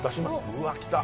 うわきた！